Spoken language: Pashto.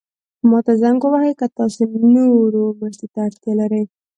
ما ته زنګ ووهئ که تاسو نورو مرستې ته اړتیا لرئ.